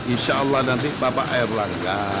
insya allah nanti bapak air langga